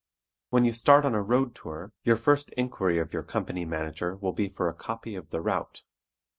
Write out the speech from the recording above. When you start on a road tour your first inquiry of your company manager will be for a "copy of the route."